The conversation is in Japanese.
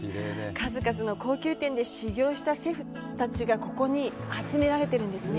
数々の高級店で修業をしたシェフたちが、ここに集められているんですね。